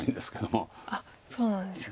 あっそうなんですか。